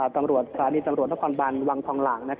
ศาลีตำรวจพบรรวงทองหลัง